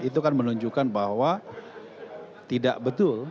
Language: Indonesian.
itu kan menunjukkan bahwa tidak betul